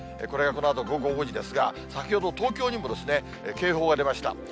これがこのあと午後５時ですが、先ほど東京にも、警報が出ました。